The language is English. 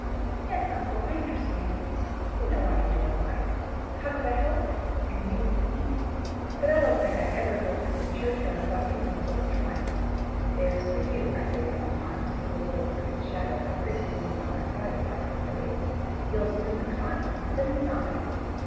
"Yes, uncle; I understand. You know I enjoy life: how could I help it and you with me? But I don't think I ever go through the churchyard without feeling a sort of triumph. 'There's for you!' I say sometimes to the little crooked shadow that creeps along by my side across the graves. 'You'll soon be caught and put inside!